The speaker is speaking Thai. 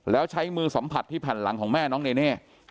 แล้วใช้มือสัมผัสที่แผ่นหลังของแม่น้องเนเน่